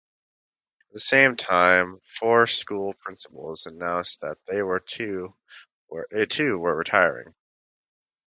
At the same time four school principals announced that they too were retiring.